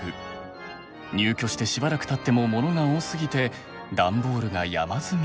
入居してしばらくたってもモノが多すぎて段ボールが山積みに。